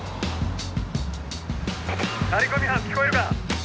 張り込み班聞こえるか？